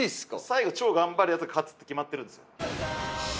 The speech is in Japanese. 最後超頑張るヤツが勝つって決まってるんですよ。